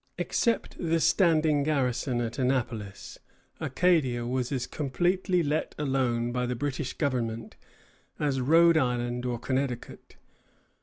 Except the standing garrison at Annapolis, Acadia was as completely let alone by the British government as Rhode Island or Connecticut.